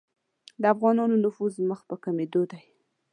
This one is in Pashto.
د افغانانو نفوذ مخ په کمېدلو دی.